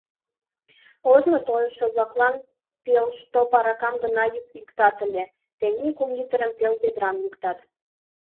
Ожно тойышо-влаклан пелштоп аракам гына йӱктат ыле, тений кум литрым, пел ведрам йӱктат.